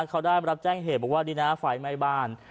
เขาได้รับแจ้งเหตุบอกว่าดีนะไฟไหม้บ้าน